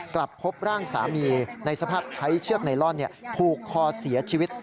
กลับพบร่างสามีในสภาพใช้เชือกไนลอนผูกคอเสียชีวิต